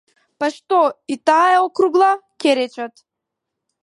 Па што, и таа е округла, ќе речат.